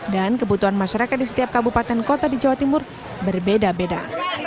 dan kebutuhan masyarakat di setiap kabupaten kota di jawa timur berbeda beda